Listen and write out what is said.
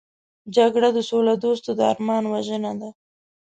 جګړه د سولهدوستو د ارمان وژنه ده